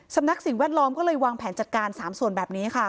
สำนักสิ่งแวดล้อมก็เลยวางแผนจัดการ๓ส่วนแบบนี้ค่ะ